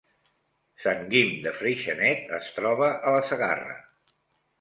Sant Guim de Freixenet es troba a la Segarra